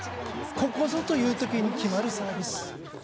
ここぞという時に決まるサービス。